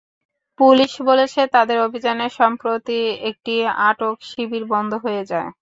Police বলেছে, তাদের অভিযানে সম্প্রতি একটি আটক শিবির বন্ধ হয়ে যায়।